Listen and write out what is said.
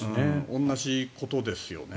同じことですよね。